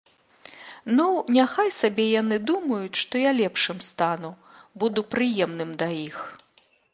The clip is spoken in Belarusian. Ну, няхай сабе яны думаюць, што я лепшым стану, буду прыемным да іх.